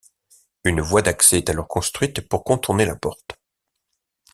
Une voie d'accès est alors construite pour contourner la porte.